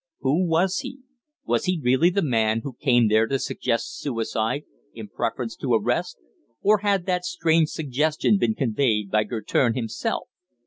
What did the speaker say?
Who was he? Was he really the man who came there to suggest suicide in preference to arrest, or had that strange suggestion been conveyed by Guertin himself?